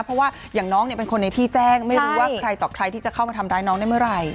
เพราะว่าอย่างน้องเป็นคนในที่แจ้งไม่รู้ว่าใครต่อใครที่จะเข้ามาทำร้ายน้องได้เมื่อไหร่